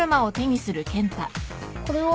これは？